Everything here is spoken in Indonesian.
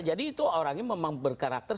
jadi itu orangnya memang berkarakter